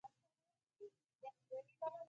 د قيامت د ورځې نومونه